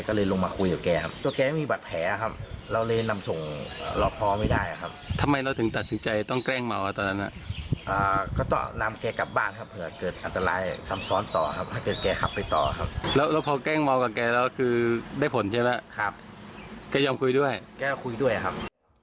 ก็ยอมคุยด้วยครับก็ยอมคุยด้วยครับ